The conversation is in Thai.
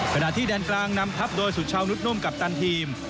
ขณะที่แดนกลางนำทับโดยสุชาวนุษนุ่มกัปตันทีม